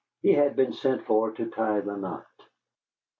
He had been sent for to tie the knot.